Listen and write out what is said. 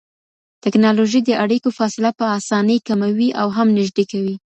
ټکنالوژي د اړيکو فاصله په اسانۍ کموي او هم نږدې کوي.